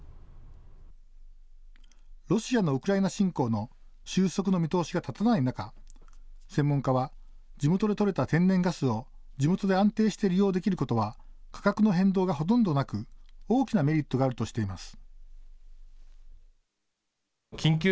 ロシアのウクライナ侵攻の収束の見通しが立たない中、専門家は地元でとれた天然ガスを地元で安定して利用できることは価格の変動がほとんどなく大きなメリットがあるとしています。